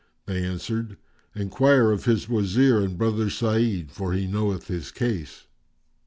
they answered, "Enquire of his Wazir and brother Sa'id, for he knoweth his case."